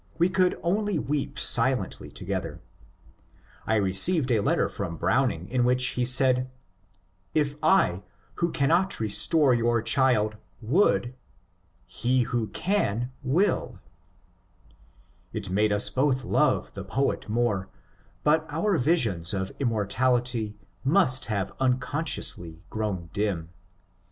We could only weep silently together. I received a letter from Browning in which he said :^* If I, who cannot restore your child, would^ He who can, wUU* It made us both love the poet more, but our visions of immortality must have unconsciously grown dim.